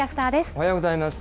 おはようございます。